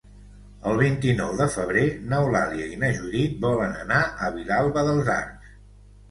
El vint-i-nou de febrer n'Eulàlia i na Judit volen anar a Vilalba dels Arcs.